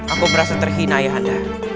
aku merasa terhina ayahanda